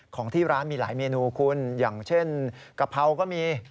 ของที่ร้านมีหลายเมนูคุณอย่างเช่นกะเพราก็มี